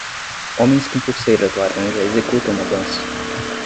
Homens com pulseiras laranja executam uma dança.